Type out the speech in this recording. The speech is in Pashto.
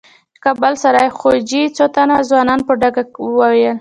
د کابل د سرای خوجې څو تنو ځوانانو په ډاګه وويل.